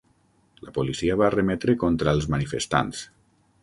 La policia va arremetre contra els manifestants.